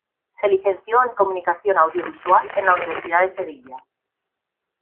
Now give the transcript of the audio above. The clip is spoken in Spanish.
Se licenció en Comunicación Audiovisual en la Universidad de Sevilla.